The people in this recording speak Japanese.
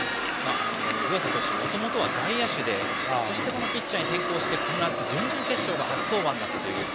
湯浅投手もともとは外野手でそしてピッチャーに転向してこの夏の準々決勝が初登板だったという。